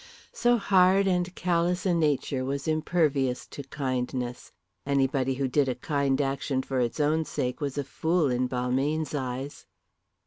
So hard and callous a nature was impervious to kindness. Anybody who did a kind action for its own sake was a fool in Balmayne's eyes.